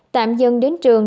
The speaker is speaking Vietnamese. tạm dừng đến trường